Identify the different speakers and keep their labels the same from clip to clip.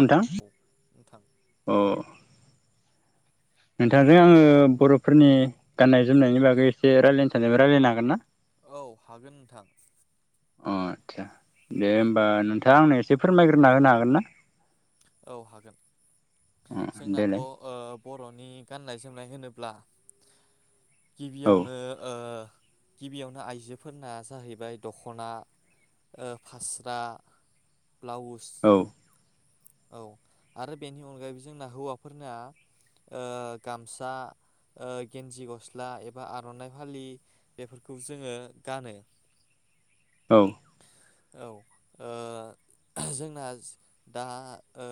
Speaker 1: औ औ नोंथां
Speaker 2: अ नोंथांजों आङो बर'फोरनि गाननाय-जोमनायनि बागै एसे रायज्लायनो सानदोंमोन रायलायनो हागोन ना
Speaker 1: औ हागोन नोंथां
Speaker 2: अ आदसा दे होमबा नोंथाङा आंनो एसे फोरमायग्रोना होनो हागोन ना
Speaker 1: औ हागोन
Speaker 2: अ
Speaker 1: जोंनाथ'
Speaker 2: देलाय
Speaker 1: ओ बर' न'नि गाननाय-जोमनाय होनोब्ला
Speaker 2: औ
Speaker 1: गिबियावनो ओ गिबियावनो आइजोफोरना जाहैबाय दख'ना ओ फास्रा ब्लाउस
Speaker 2: औ
Speaker 1: औ आरो बेनि अनगायैबो जोंना हौवाफोरना गामसा, गेन्जि गस्ला एबा आर'नाइ फालि बेफोरखौ जोङो गानो
Speaker 2: औ
Speaker 1: औ जोंना दा ओ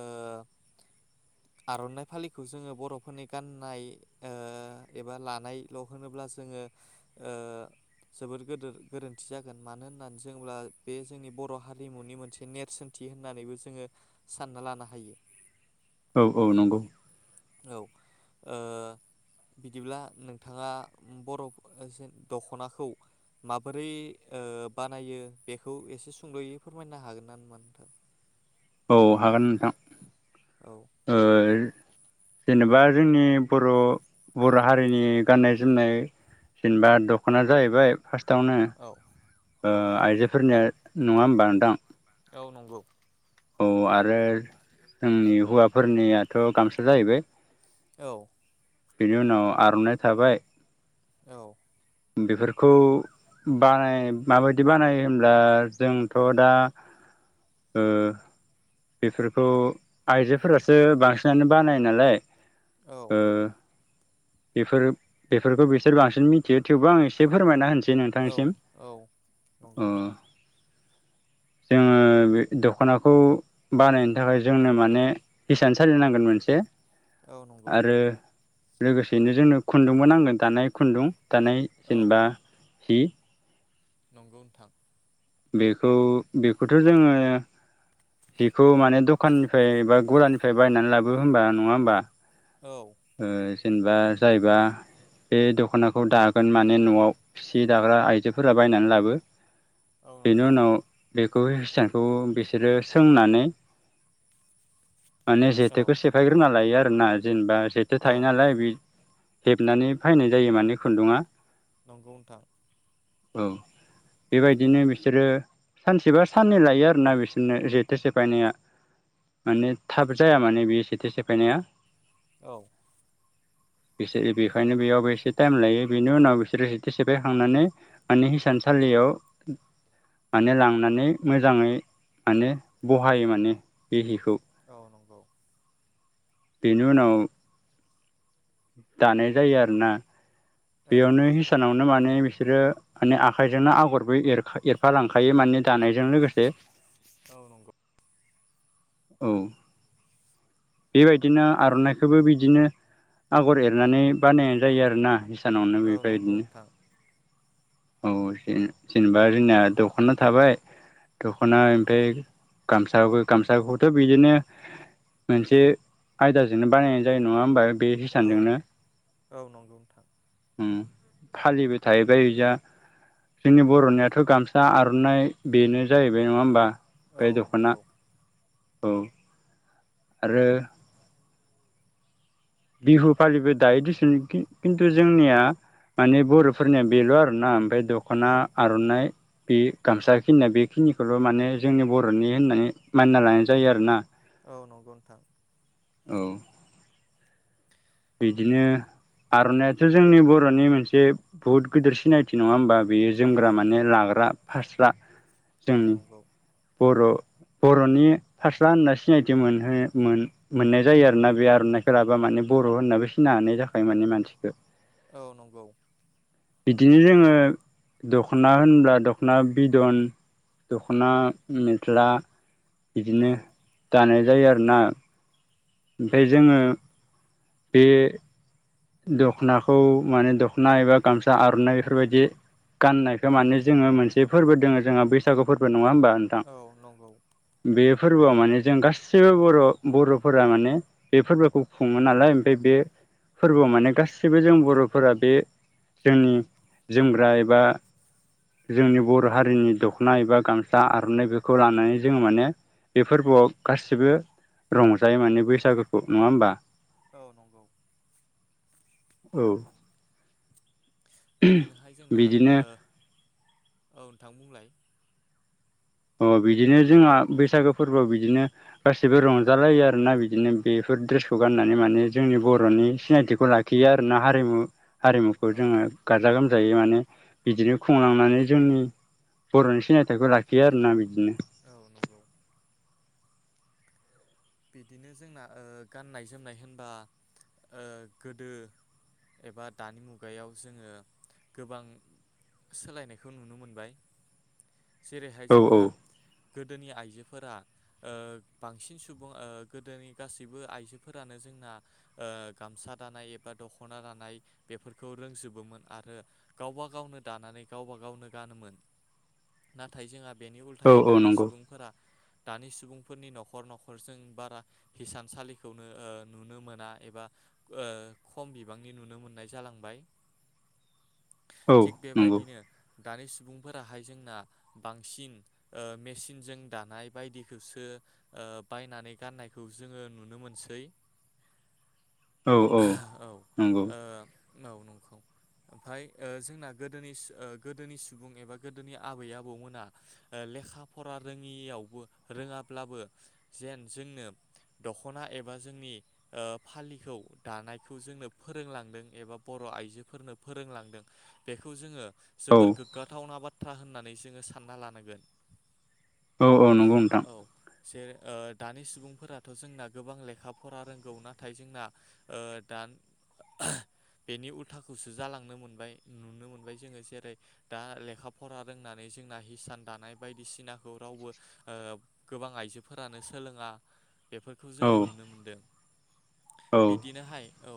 Speaker 1: आर'नाइ फालिखौ जोङो बर'फोरनि गाननाय ओ एबा लानायल' होनोब्ला जोङो ओ जबोद गोरोन्थि जागोन मानो होननानै जोङोब्ला बे जोंनि बर' हारिमुनि मोनसे नेरसोनथि होननानैबो जोङो सानना लानो हायो
Speaker 2: औ-औ नंगौ
Speaker 1: औ ओ बिदिब्ला नोंथाङा बर' दख'नाखौ माबोरै ओ बानायो बेखौ एसे सुंद'यै फोरमायनो हागोन नामा नोंथां
Speaker 2: औ हागोन नोंथां
Speaker 1: औ
Speaker 2: ओ जेनेबा जोंनि बर'-बर' हारिनि गाननाय जोमनाय जेनेबा दख'ना जाहैबाय फास्रा टावनो
Speaker 1: औ औ
Speaker 2: आइजोफोरनिया नंआ होनबा नोंथां
Speaker 1: औव नंगौ
Speaker 2: औ आरो आरो जोंनि हौवाफोरनिया थ' गामसा जाहैबाय
Speaker 1: औ
Speaker 2: बेनि उनाव आर'नाइ थाबाय
Speaker 1: औ
Speaker 2: बेफोरखौ बानाय माबायदि बानायो होनब्ला जोंथ' दा ओ बेफोरखौ आइजोफोरासो बांसिनानो बानायो नालाय ओ
Speaker 1: औ
Speaker 2: बेफोर बेफोरखौ बिसोर बांसिन मिथियो थेवबो आं एसे फोरमायना होनसै
Speaker 1: औ
Speaker 2: नोंथांनिसिम
Speaker 1: औ नंगौ
Speaker 2: अ जोङो बे दख'नाखौ बानायनो थाखाय जोंनो माने हिसान सालि नांगोन मोनसे
Speaker 1: औ नंगौ
Speaker 2: लोगोसेयैनो जोंनो खुन्दुंबो नांगोन दानाय खुन्दुं दानाय
Speaker 1: औ
Speaker 2: जेनेबा हि
Speaker 1: नंगौ नोंथां
Speaker 2: बेखौ बेखौथ' जोङो बेखौ माने दखाननिफाय बा गलानिफाय बायनानै लाबो होमबा नङा होमबा
Speaker 1: औ
Speaker 2: ओ जेनेबा जायबा बे दख'नाखौ दागोन माने न'आव सि दाग्रा आइजोफोरा बायनानै लाबो
Speaker 1: औ
Speaker 2: बेनि
Speaker 1: नंगौ
Speaker 2: उनाव बे खौ हिसानखौ बिसोरो सोंनानै माने
Speaker 1: औ
Speaker 2: जेथेखौ सेफायग्रोना लायो आरो ना जेनेबा सो
Speaker 1: औ
Speaker 2: थायो नालाय बे हेबनानै फायनाय जायो माने खुन्दुङा
Speaker 1: नंगौ नोंथां
Speaker 2: औ बेबायदिनो बिसोरो सानसेबा साननै लायो आरोना बिसोरनो जेथो सेफायनाया माने थाब जाया माने बे जेथो सेफायनाया
Speaker 1: औ
Speaker 2: बिसोर बेखायनो बेयाव बेसे टायेम लायो बेनि उनाव बिसोरो जेथो सेफायखांनानै माने हिसानसालियाव माने लांनानै मोजाङै माने बहायो माने बि हिखौ
Speaker 1: औ नंगौ
Speaker 2: बेनि उनाव दानाय जायो आरोना
Speaker 1: औ
Speaker 2: बेयावनो
Speaker 1: नंगौ नोंथां
Speaker 2: हिसानावनो माने बिसोरो माने आखाइजोंनो आगरबो एरफालांखायो माने दानायजों लोगोसे
Speaker 1: औ नंगौ
Speaker 2: औ बेबायदिनो
Speaker 1: बि
Speaker 2: आर'नाइखोबो बिदिनो आगर एरनानै बानायनाय जायो आरोना नावनो
Speaker 1: औ नंगौ
Speaker 2: बेबायदिनो
Speaker 1: नोंथां
Speaker 2: औ जे- जेनेबा जोंना दखाना थाबाय। दख'ना
Speaker 1: औ
Speaker 2: ओमफाय गामसाबो गाम खौथ' बिदिनो मोनसे आयदाजोंनो बानायनाय जायो नङा होमबा बे
Speaker 1: औ
Speaker 2: हिसानजोंनो
Speaker 1: औ नंगौ नोंथां
Speaker 2: फालिबो थाहैबाय जा जोंनि बर'नियाथ' गामसा आर'नाइ बेनो जाहैबाय नङा होमबा?
Speaker 1: औ
Speaker 2: बे दखना
Speaker 1: नंगौ
Speaker 2: औ आरो बिहु फालिबो दायो दिस खिन्थु जोंनिया माने बर'फोरनिया बेल' आरोना ओमफ्राय
Speaker 1: औ
Speaker 2: दख'ना आर'नाइ बे गामसा खिनिया बेखिनिखौल' माने जोंनि बर'नि होननानै मानिना लानाय जायो आरोना
Speaker 1: औ नंगौ नोंथां।
Speaker 2: औ बिदिनो आर'नायाथ' जोंनि बर'नि मोनसे बुहुत गिदिर सिनायथि नङा होमबा। बियो
Speaker 1: औ
Speaker 2: जोमग्रा माने लाग्रा। फास्रा
Speaker 1: औ
Speaker 2: जोंनि
Speaker 1: नंगौ।
Speaker 2: बर' बर'नि फास्रा होनना सिनायथि मोनहो मोन मोन्नाय बर बर' बर'नि फारास्रा होनना मोननाय जायो आरोना बे आर'नाइफोराबा माने बर' होननाबो सिनाय हानाय जाखायो मानसिखो मानसिखौ
Speaker 1: औ नंगौ
Speaker 2: बिदिनो जोङो दख'ना होनब्ला दख'ना बिदन दख'ना मेख्ला बिदिनो
Speaker 1: औ
Speaker 2: गानो जायो आरोना ओमफ्राय
Speaker 1: नंगौ
Speaker 2: जोङो बेे दख'नाखौ माने दख'ना एबा गामसा आर'नाइ बेफोरबायदि गाननायखो माने जोङो मोनसे फोरबो दोङो जोंहा बैसागु फोरबो नङा होमबा नोंथां
Speaker 1: औ नंगौ
Speaker 2: फोरबोआव माने जों गासिबो बर' बर'फोरा माने बे फोरबोखौ खुङो नालाय ओमफ्राय बे फोरबोआव माने गासिबो जों बर'फोरा बे जोंनि जोमग्रा एबा जोंनि बर' हारिनि दख'ना एबा गामसा आर'नाइ बेफोरखौ लानानै जोङो माने बे फोरबोआव गासिबो रंजायो माने बैसागोखौ नङा होमबा
Speaker 1: औ नंगौ
Speaker 2: औ
Speaker 1: बिदिनोहाय जोंना
Speaker 2: बिदिनो
Speaker 1: औ नोंथां बुंलायनाय
Speaker 2: अ बिदिनो जोंहा बैसागो फोरबोआव बिदिनो गासैबो रंजालायो आरोना बिदिनो बेफोर द्रेसखौ गाननानै माने जोंनि
Speaker 1: औ
Speaker 2: बर'नि सिनायथिखौ ला खियो आरोना हारिमु हारिमुखौ
Speaker 1: औ
Speaker 2: जोङो गाजा गोम जायै माने बिदिनो खुंलांनानै जोंनि बर'नि सिनायथखौ ला खियो आरोना
Speaker 1: औ नंगौ बिदिनो जोंना ओ गाननाय जोमनाय होनबा ओ गोदो एबा दानि मुगायाव जोङो गोबां सोलायनायखौ नुनो मोनबाय जेरैहाय
Speaker 2: औ औ
Speaker 1: जोंहा गोदोनि आइजो फोरा बांसिन सुबुं गोदोनि गासिबो आइजोफोरानो जोंना ओ गामसा दानाय एबा दखना दानाय बेफोरखौ रोंजोबोमोन आरो गावबा गावनो दानानै गावब गावनो गानोमोन नाथाय जोंहा बेनि
Speaker 2: औ
Speaker 1: उल्थायै
Speaker 2: औ
Speaker 1: दानि
Speaker 2: नंगौ
Speaker 1: सुबुंफोरा दानि सुबुंफोरनि न'खर न'खर न'खरजों बारा हिसानसालिखौनो नुनो मोना एबा खम बिबांनि नुनो मोननाय जालांबाय
Speaker 2: औ
Speaker 1: थिग
Speaker 2: नंगौ
Speaker 1: बेबायदिनो दानि सुबुंफोराहाय जोंना बांसिन मेसिनजों दानाय बायदिखौसो बायनानै गाननायखौ जोङो नुनो मोनसै
Speaker 2: औ औ नंगौ
Speaker 1: औ ओमफ्राय जोंना गोदोनि गोदोनि सुबुं एबा गोदोनि आबै आबौमोना लेखा फरा रोङियावबो रोङाब्लाबो जेन जोंनो दख'ना एबा जोंनि फालिखौ दानायखौ जोंनो फोरोंलांदों एबा बर' आइजोफोरनो फोरोंलांदों बेखौबो जोङो
Speaker 2: औ
Speaker 1: जोबोर गोग्गाथावना बा बाथ्रा होननानै जोङो सानना लानांगोन
Speaker 2: औ औ नंगौ नोंथां
Speaker 1: [unintelligible] दानि सुबुंफोराथ' जोंना गोबां लेखा फरा रोंगौ नाथाय जोंना दा बेनि उल्थाखौसो जालांनो मोनबाय नुनो मोनबाय जोङो जेरै दा लेखा फरा रोंनानै जोंना हिसान दानाय बायदिसिनाखौ रावबो गोबां आइजो फोरानो सोलोङा बेफोरखौ
Speaker 2: औ
Speaker 1: जोङो नुनो मोनदों
Speaker 2: औ
Speaker 1: बिदिनोहाय औ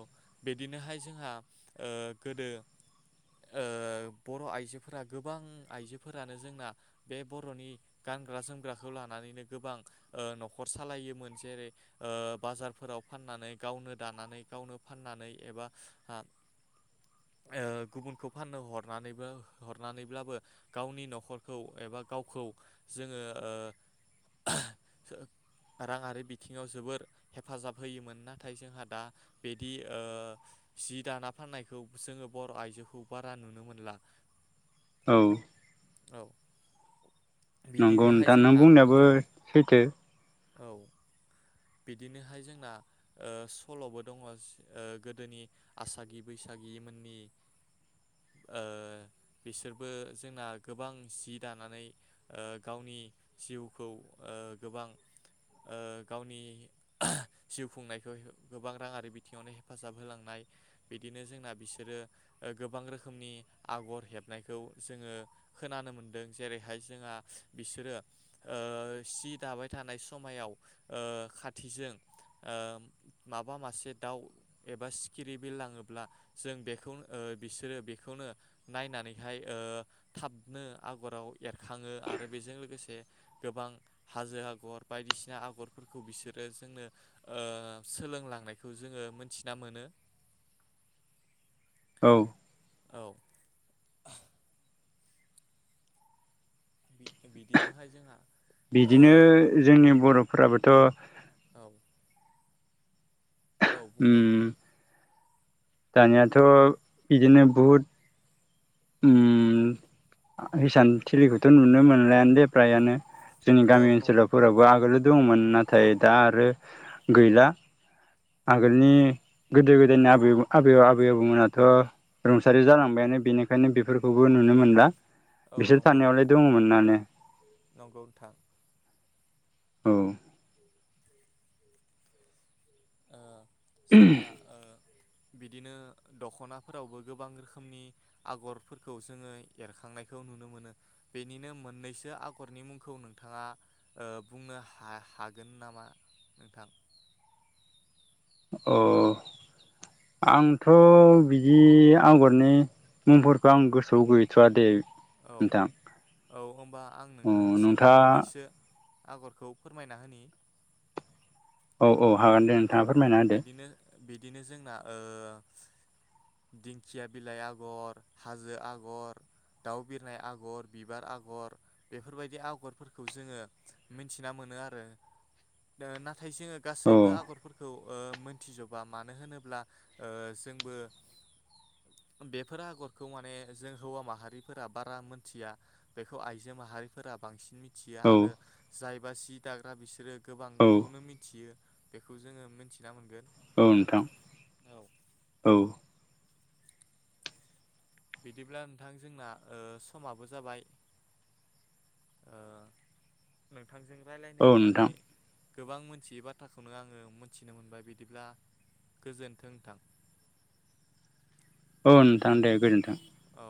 Speaker 1: बिदिनोहाय जोंहा गोदो बर' आइजोफोरा गोबां आइजोफोरानो जोंना बे बर'नि गानग्रा जोमग्राखौ लानानैनो गोबां न'खर सालायोमोन जेरै बाजारफोराव फाननानै गावनो दानानै गावनो फाननानै एबा गुबुनखौ फाननो हरनानैबो हरनानैब्लाबो गावनि न'खरखौ एबा गावखौ जोङो राङारि बिथिङाव जोबोर हेफाजाब होयोमोन नाथाय जोंहा दा बिदि जि दाना फाननायखौ जोङो बर' आइजोखौ बारा नुनो मोनला
Speaker 2: औ
Speaker 1: औ
Speaker 2: नंगौ
Speaker 1: बिदिनोहाय
Speaker 2: दा नों
Speaker 1: जोंहा
Speaker 2: बुंनायाबो
Speaker 1: औ
Speaker 2: सैथो
Speaker 1: औ बिदिनोहाय जोंना सल'बो दङ गोदोनि आसागि बैसागि मोननि बिसोरबो जोंना गोबां जि दानानै गावनि जिउखौ गोबां गावनि जिउ खुंनायखौ गोबां राङारि बिथिङावनो हेफाजाब होलांनाय बिदिनो जोंना बिसोरो गोबां रोखोमनि आगर हेबनायखौ जोङो खोनानो मोनदों जेरैहाय जोंहा बिसोरो सि दाबाय थानाय समायाव खा थिजों माबा मासे दाउ एबा सिखिरि बिरलाङोब्ला जों बेखौनो बिसोरो बेखौनो नायनानैहाय थाबनो आगराव एरखाङो आरो बेजों लोगोसे गोबां हाजो आगर बायदिसिना आगरफोरखौ बिसोरो आरो जोंनो सोलोंलांनायखौ जोङो मोनथिना मोनो।
Speaker 2: औ
Speaker 1: औ बिदिनोहाय जोंहा ओ
Speaker 2: बिदिनो जोंनि बर'फोराबोथ'
Speaker 1: औ। औ बुंलाय
Speaker 2: उम
Speaker 1: नोंथां।
Speaker 2: दानियाथ' बिदिनो बहुद। हिसान थिलिखौथ' नुनो मोनलायानो दे फ्रायानो। जोंनि
Speaker 1: औ
Speaker 2: गामि
Speaker 1: नंगौ
Speaker 2: ओनसोलावफोरावबो आगोल। दंमोन नाथाय दा आरो गैला आगोलनि गोदो गोदायनि आबै आबै आबौमोनथ' रुंसारि जालांबायानो बेनिखाय ओंखायनो बेफोरखौबो नुनो मोनला।
Speaker 1: औ
Speaker 2: बिसोर
Speaker 1: नंगौ
Speaker 2: थानायावलाय दङमोन माने।
Speaker 1: नंगौ नोंथां।
Speaker 2: औ।
Speaker 1: [inaudible] जोंना बिदिनो दख'नाफोरावबो गोबां रोखोमनि आगरफोरखौ जोङो एरखांनायखौ नुनो मोनो बेनिनो मोननैसो आगरनि मुंखौ नोंथाङा बुंनो हागोन नामा नोंथां?
Speaker 2: अ आंथ' बिदि आगरनि मुंफोरखौ आं गोसोआव गैथ'वा दे।
Speaker 1: औ
Speaker 2: नोंथां
Speaker 1: औ होनोमबा आं
Speaker 2: अ
Speaker 1: नोंथांनिसिम
Speaker 2: नोंथाङा
Speaker 1: मोननैसो। आगरखौ फोरमायना होनि।
Speaker 2: औ औ हागोन दे
Speaker 1: औ
Speaker 2: नोंथाङा फोरमायना होदो।
Speaker 1: बिदिनो बिदिनो जोंना दिंखिया बिलाइ आगर, हाजो आगर। दाउ बिरनाय आगर बिबार आगर बेफोरबायदि आगरफोरखौ जोङो मिथिना मोनो आरो नाथाय जोङो गासैबो
Speaker 2: औ
Speaker 1: आगरफोरखौ मोनथिजोबा मानो होनोब्ला जोंबो बेफोर आगरखौ माने जों हौवा माहारि फोर बारा मिथिया बेखौ आइजो माहारिफोरा बांसिन मिथि मिथियो
Speaker 2: औ
Speaker 1: आरो जाय बा सि दाग्रा बिसोरो
Speaker 2: औ
Speaker 1: गोबांखौनो मिथियो बेखौ जोङो मिथिना मोनगोन।
Speaker 2: औ नोंथां।
Speaker 1: औ
Speaker 2: औ
Speaker 1: बिदिब्ला नोंथां जोंना समाबो जाबाय। आांजों रायज्लायनो
Speaker 2: औ
Speaker 1: मोननानै
Speaker 2: नोंथां
Speaker 1: गोबां मोनथियै बाथ्राखौनो आङो मोनथिनो मोनबाय बिदिब्ला गोजोन्थों थां।
Speaker 2: औ नोंथां।
Speaker 1: औ।